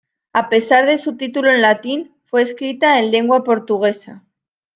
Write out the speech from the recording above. A pesar de su título en latín, fue escrita en lengua portuguesa.